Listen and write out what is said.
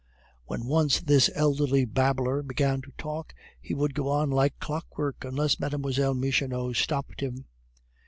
When once this elderly babbler began to talk, he would go on like clockwork unless Mlle. Michonneau stopped him.